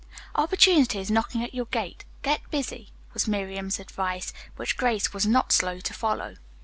"Opportunity is knocking at your gate, get busy," was Miriam's advice, which Grace was not slow to follow.